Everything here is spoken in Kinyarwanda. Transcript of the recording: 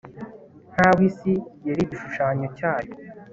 nkaho isi yari igishushanyo cyayo